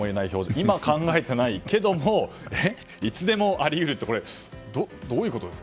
今考えていないけどもいつでもあり得るってこれ、どういうことです？